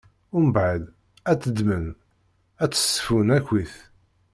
Umbeɛd ad tt-ddmen, ad tt-ssefsun akkit.